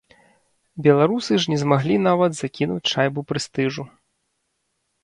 Беларусы ж не змаглі нават закінуць шайбу прэстыжу.